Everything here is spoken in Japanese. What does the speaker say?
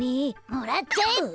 もらっちゃえって！